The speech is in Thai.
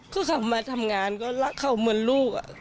ก็เขามาทำงานก็รักเขาเหมือนลูก